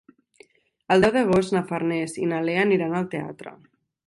El deu d'agost na Farners i na Lea aniran al teatre.